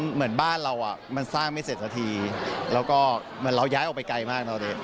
เหมือนบ้านเราอ่ะมันสร้างไม่เสร็จสักทีแล้วก็เหมือนเราย้ายออกไปไกลมากนะตอนนี้